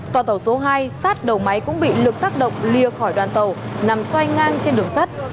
tòa tàu số hai sát đầu máy cũng bị lực tác động lìa khỏi đoàn tàu nằm xoay ngang trên đường sắt